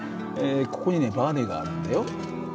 ここにねバネがあるんだよ。